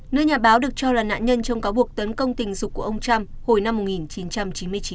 nữ nhà báo được cho là nạn nhân trong cáo buộc tấn công tình dục của ông trump hồi năm một nghìn chín trăm chín mươi chín